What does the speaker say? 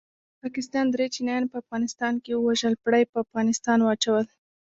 پاکستان دري چینایان په افغانستان کې ووژل پړه یې په افغانستان واچول